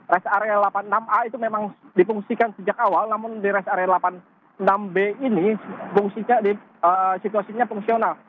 rest area delapan puluh enam a itu memang dipungsikan sejak awal namun di rest area delapan puluh enam b ini situasinya fungsional